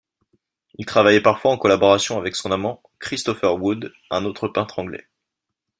Il travaillait parfois en collaboration avec son amant Christopher Wood, un autre peintre anglais.